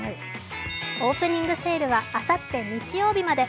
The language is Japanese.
オープニングセールはあさって日曜日まで。